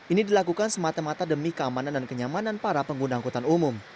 ini dilakukan semata mata demi keamanan dan kenyamanan para pengguna angkutan umum